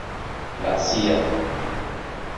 La Cia.